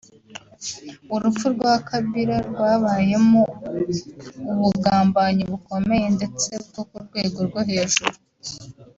Urupfu rwa Kabila rwabayemo ubugambanyi bukomeye ndetse bwo kurwego rwo hejuru